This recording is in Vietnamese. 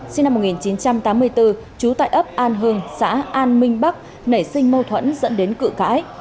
sinh năm một nghìn chín trăm tám mươi bốn trú tại ấp an hưng xã an minh bắc nảy sinh mâu thuẫn dẫn đến cự cãi